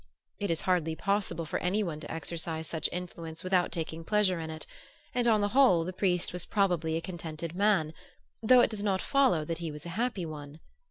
It is hardly possible for any one to exercise such influence without taking pleasure in it; and on the whole the priest was probably a contented man; though it does not follow that he was a happy one.